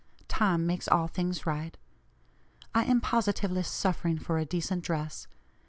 'Time makes all things right.' I am positively suffering for a decent dress.